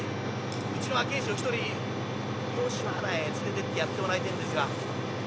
うちの若え衆を一人吉原へ連れてってやってもらいてえんですが」。